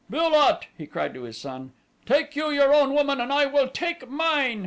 "Bu lot," he cried to his son, "take you your own woman and I will take mine!"